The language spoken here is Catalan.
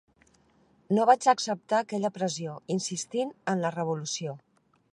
No vaig acceptar aquella pressió, insistint en la revolució.